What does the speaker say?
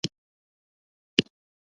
عقاب های هندوکش په لوړو کې لوبیږي.